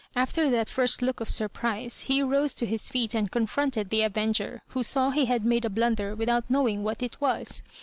After that first look of surprise, he rose to his feet and confronted the avenger, who saw he had made a blunder without knowing what it was.